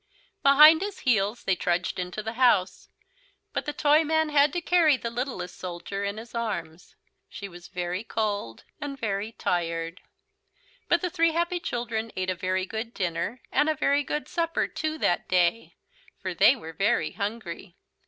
Behind his heels they trudged into the house. But the Toyman had to carry the littlest soldier in his arms. She was very cold and very tired. But the three happy children ate a very good dinner and a very good supper too, that day, for they were very hungry.